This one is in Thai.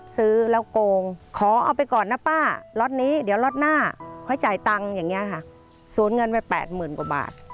สูญเงินไป๘๐๐๐๐กว่าบาท